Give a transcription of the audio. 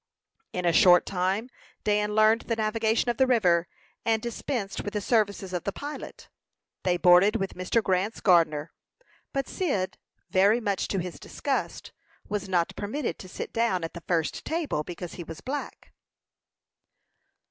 In a short time Dan learned the navigation of the river, and dispensed with the services of the pilot. They boarded with Mr. Grant's gardener; but Cyd, very much to his disgust, was not permitted to sit down at the first table because he was black.